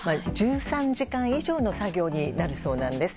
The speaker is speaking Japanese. １３時間以上の作業になるそうなんです。